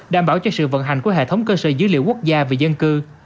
đảm bảo cho sự vận hành của hệ thống cơ sở dữ liệu quốc gia về dân cư